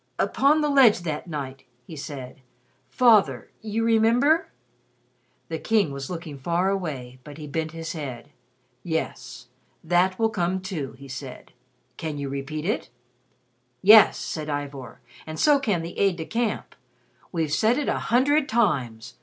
"Upon the ledge that night " he said, "Father, you remember ?" The King was looking far away, but he bent his head: "Yes. That will come, too," he said. "Can you repeat it?" "Yes," said Ivor, "and so can the aide de camp. We've said it a hundred times.